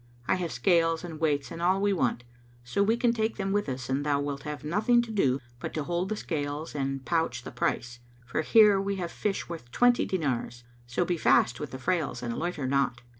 I have scales and weights and all we want, so we can take them with us and thou wilt have nothing to do but to hold the scales and pouch the price; for here we have fish worth twenty dinars. So be fast with the frails and loiter not."